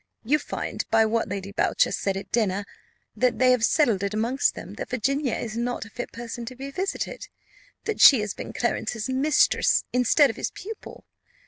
You find, by what Lady Boucher said at dinner, that they have settled it amongst them that Virginia is not a fit person to be visited; that she has been Clarence's mistress instead of his pupil.